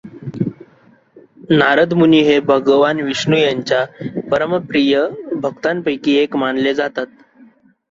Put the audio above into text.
नारद मुनी हे भगवान विष्णू यांच्या परमप्रिय भक्तांपैकी एक मानले जातात.